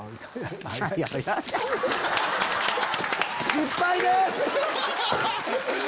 失敗です！